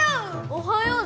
おそよう！